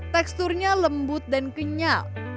teksturnya lembut dan kenyal